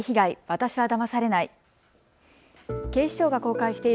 私はだまされない。